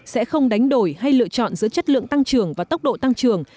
sẽ không đánh đổi hay lựa chọn giữa chất lượng tăng trưởng và tốc độ tăng trưởng